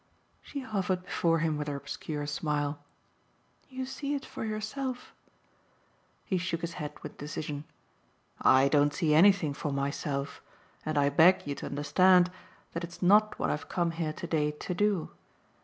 She hovered before him with her obscure smile. "You see it for yourself." He shook his head with decision. "I don't see anything for myself, and I beg you to understand that it's not what I've come here to day to do.